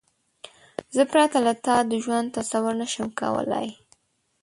زه پرته له تا د ژوند تصور نشم کولای.